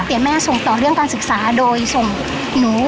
แต่แม่ส่งต่อเรื่องการศึกษาโดยส่งหนู